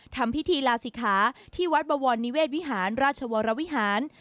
ทำพิธีลาศิกขาที่วัดบวรนิเวศวิหารราชวรวิหาร